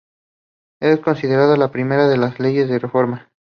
Es considerada la primera de las leyes de Reforma.